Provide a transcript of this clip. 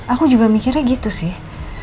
aku juga mikirnya gitu sih